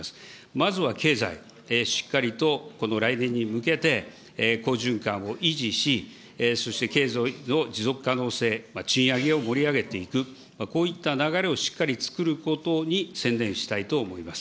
まずは経済、しっかりとこの来年に向けて、好循環を維持し、そして経済の持続可能性、賃上げを盛り上げていく、こういった流れをしっかり作ることに専念したいと思います。